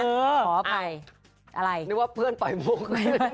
นึกว่าเพื่อนปล่อยมุก